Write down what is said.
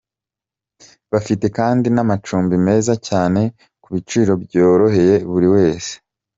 Bafite kandi n’amacumbi meza cyane ku biciro byoroheye buri wese.